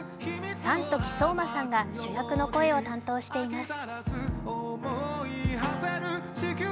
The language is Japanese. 山時聡真さんが主役の声を担当しています。